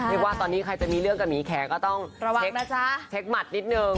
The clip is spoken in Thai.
ว่าตอนนี้ใครจะมีเรื่องกับหมีแขกก็ต้องระวังเช็คหมัดนิดนึง